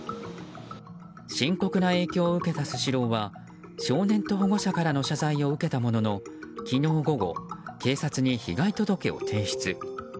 深刻な影響を受けたスシローは少年と保護者からの謝罪を受けたものの昨日午後、警察に被害届を提出。